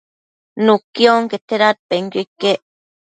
nuqui onquete dadpenquio iquec